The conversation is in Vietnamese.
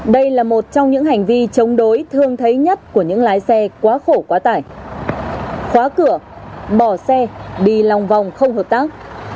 đây là một trong những hành vi chống đối thường thấy nhất của những lái xe quá khổ quá tải khóa cửa bỏ xe đi lòng vòng không hợp tác